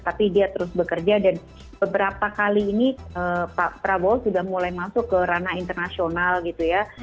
tapi dia terus bekerja dan beberapa kali ini pak prabowo sudah mulai masuk ke ranah internasional gitu ya